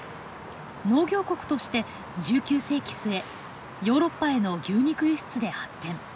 農業国として１９世紀末ヨーロッパへの牛肉輸出で発展。